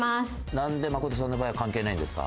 なんでマコトさんの場合は関係ないんですか？